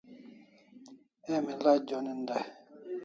Emi lach jonin dai